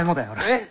えっ？